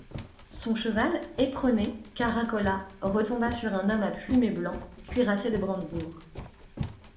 Son cheval, éperonné, caracola, retomba sur un homme à plumet blanc, cuirassé de brandebourgs.